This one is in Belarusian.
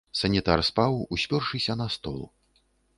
Санітар спаў, успёршыся на стол.